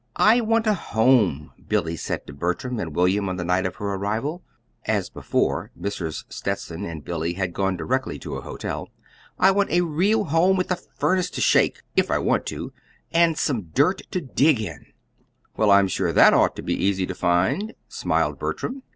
"I want a home," Billy said to Bertram and William on the night of her arrival. (As before, Mrs. Stetson and Billy had gone directly to a hotel.) "I want a real home with a furnace to shake if I want to and some dirt to dig in." "Well, I'm sure that ought to be easy to find," smiled Bertram.